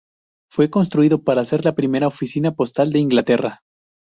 Fue construido para ser la primera oficina postal de Inglaterra.